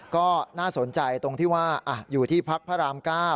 ก็น่าสนใจตรงที่ว่าอยู่ที่พักพระราม๙